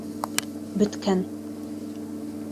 Бөткән.